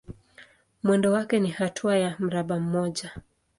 Mwendo wake ni hatua ya mraba mmoja.